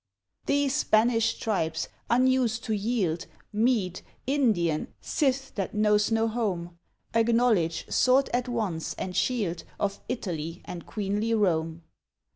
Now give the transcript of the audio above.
Thee Spanish tribes, unused to yield, Mede, Indian, Scyth that knows no home, Acknowledge, sword at once and shield Of Italy and queenly Rome.